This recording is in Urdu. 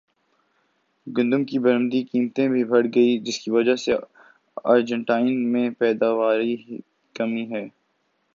گندم کی برمدی قیمتیں بھی بڑھ گئیں جس کی وجہ سے ارجنٹائن میں پیداواری کمی ہے